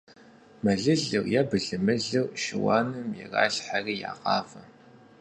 Мэлылыр е былымылыр шыуаным иралъхьэри ягъавэ.